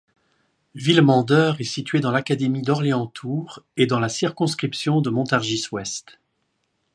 Villemandeur est situé dans l'académie d'Orléans-Tours et dans la circonscription de Montargis-Ouest.